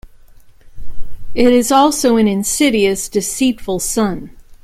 It is also an insidious, deceitful sun.